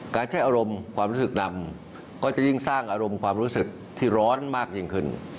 การใช้อารมณ์ความรู้สึกนำก็จะยิ่งสร้างอารมณ์ความรู้สึกที่ร้อนมากยิ่งขึ้น